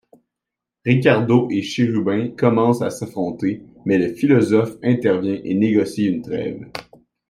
Ricardo et Chérubin commencent à s'affronter, mais le Philosophe intervient et négocie une trêve.